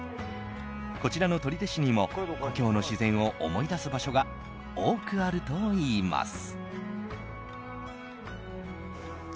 こちらの取手市にも故郷の自然を思い出す場所が多くあるといいます。